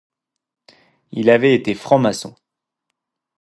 Il avait été franc-maçon.